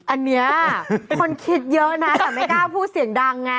อันนี้คนคิดเยอะนะแต่ไม่กล้าพูดเสียงดังไง